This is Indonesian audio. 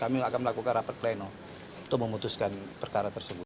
kami akan melakukan rapat pleno untuk memutuskan perkara tersebut